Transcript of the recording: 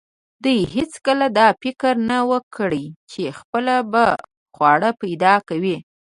دوی هیڅکله دا فکر نه و کړی چې خپله به خواړه پیدا کوي.